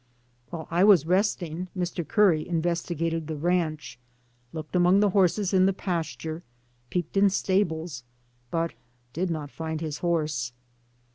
While I was rest ing, Mr. Curry investigated the ranch, looked among the horses in the pasture, peeped in stables, but did not find his horse.